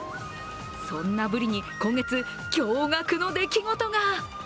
そんなブリに、今月、驚がくの出来事が。